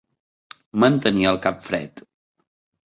Mantenir el cap fred.